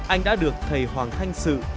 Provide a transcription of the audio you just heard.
anh đã được thầy hoàng thanh sự